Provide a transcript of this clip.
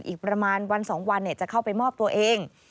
อีกประมาณวัน๒วันจะเข้าไปมอบตัวเอง